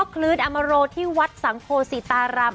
คลืนอมโรที่วัดสังโพศิตาราม